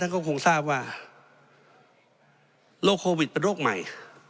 ก็คงทราบว่าโรคโควิดเป็นโรคใหม่